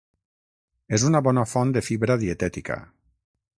És una bona font de fibra dietètica.